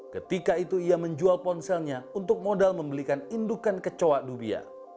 ketika itu ia menjual ponselnya untuk modal membelikan indukan kecoa dunia